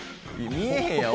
「見えへんやん